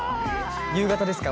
夕方ですか？